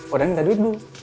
udah gak ada duit dulu